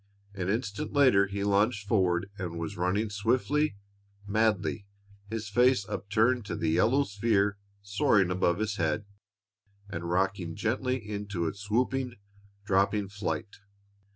An instant later he lunged forward and was running swiftly, madly, his face upturned to the yellow sphere soaring above his head and rocking gently in its swooping, dropping flight.